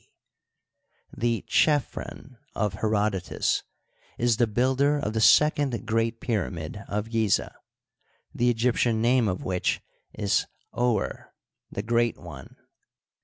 C), the Chephren of Herodotus, is the builder of the second great pyramid of Gizeh, the Egyptian name of which is Ouer^ " tne Great One."